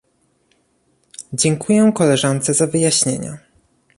Dziękuję koleżance za wyjaśnienia